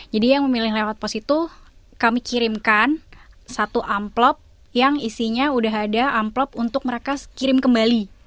jadi yang memilih lewat pos itu kami kirimkan satu amplop yang isinya udah ada amplop untuk mereka kirim kembali